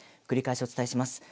繰り返しお伝えします